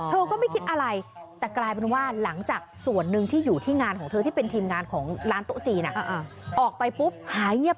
เธอก็ไม่คิดอะไร